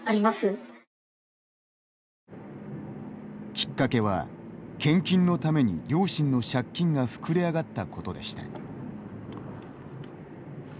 きっかけは、献金のために両親の借金が膨れ上がったことでした。